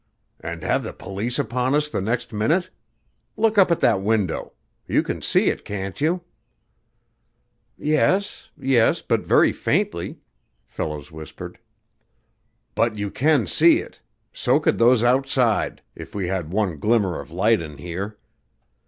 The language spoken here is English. "And have the police upon us the next minute? Look up at that window. You can see it, can't you?" "Yes, yes, but very faintly," Fellows whispered. "But you can see it. So could those outside, if we had one glimmer of light in here.